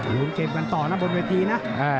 รุมเก็บกันต่อนะบนวิธีนะ